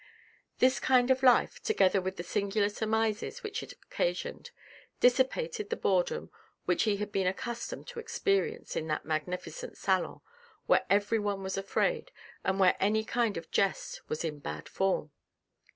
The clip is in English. This kind of life, together with the singular surmises which it occasioned, dissipated the boredom which he had been accustomed to experience in that magnificent salon, where everyone was afraid, and where any kind of jest was in bad form.